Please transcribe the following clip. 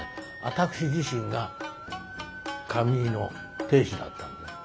私自身が髪結いの亭主だったんです。